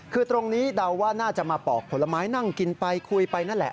คือตรงนี้เดาว่าน่าจะมาปอกผลไม้นั่งกินไปคุยไปนั่นแหละ